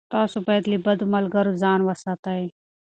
تاسو باید له بدو ملګرو ځان وساتئ.